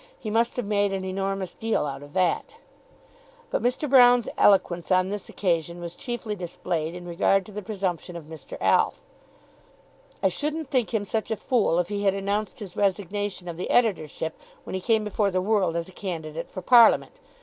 He must have made an enormous deal out of that." But Mr. Broune's eloquence on this occasion was chiefly displayed in regard to the presumption of Mr. Alf. "I shouldn't think him such a fool if he had announced his resignation of the editorship when he came before the world as a candidate for parliament.